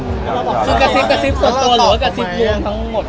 คือกระซิบกระซิบส่วนตัวหรือว่ากระซิบลวงทั้งหมด